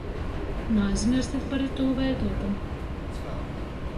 Naaizmierstit par itū veidlopu.